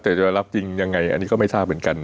แต่จะรับจริงยังไงอันนี้ก็ไม่ทราบเหมือนกัน